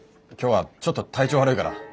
今日はちょっと体調悪いから。